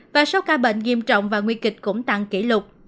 và số ca bệnh nghiêm trọng và nguy kịch cũng tăng kỷ lục